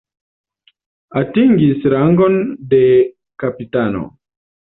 Atingis rangon de kapitano.